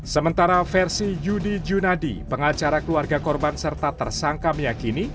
sementara versi yudi junadi pengacara keluarga korban serta tersangka meyakini